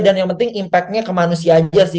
dan yang penting impact nya ke manusia aja sih